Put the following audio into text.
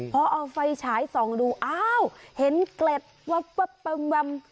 พอเอาไฟฉายส่องดูอ้าวเห็นเกล็ดวับ